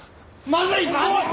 まずい！